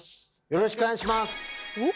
よろしくお願いします。